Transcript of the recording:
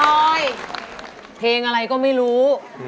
เพลงอะไรก็ไม่รู้